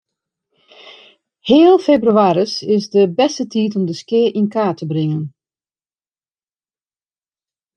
Heal febrewaris is de bêste tiid om de skea yn kaart te bringen.